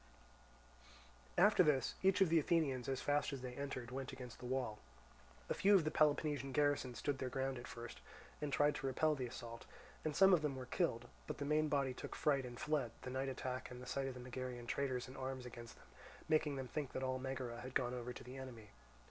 After this, each of the Athenians as fast as they entered went against the wall. A few of the Peloponnesian garrison stood their ground at first, and tried to repel the assault, and some of them were killed; but the main body took fright and fled; the night attack and the sight of the Megarian traitors in arms against them making them think that all Megara had gone over to the enemy.